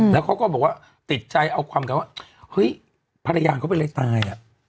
แล้วเขาก็บอกว่าติดใจเอาความกันว่าเฮ้ยภรรยาเขาเป็นอะไรตายอ่ะ